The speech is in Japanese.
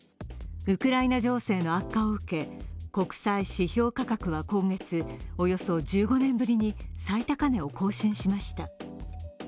ウクライナ情勢の悪化を受け、国際指標価格は今月、およそ１５年ぶりに最高値を更新しました。